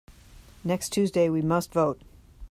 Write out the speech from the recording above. Next Tuesday we must vote.